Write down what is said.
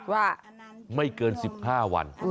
ว่าไม่เกิน๑๕วัน